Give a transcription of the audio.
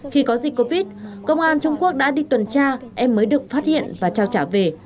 khi có dịch covid công an trung quốc đã đi tuần tra em mới được phát hiện và trao trả về